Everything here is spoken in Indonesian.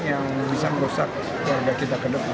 yang bisa merusak warga kita ke depan